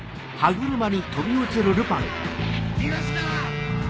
逃がすな！